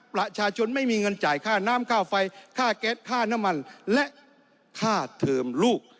ประชาชนไม่มีเงินจ่ายค่าน้ำค่าไฟค่าแก๊สค่าน้ำมันและค่าเทอมลูก